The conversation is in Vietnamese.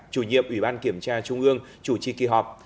chủ nhiệm ủy ban kiểm tra trung ương chủ trì kỳ họp